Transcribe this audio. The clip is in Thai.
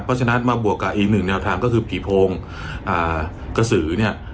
เพราะฉะนั้นมาบวกกับอีกหนึ่งแนวทางก็คือผีโพงกระสือเนี่ย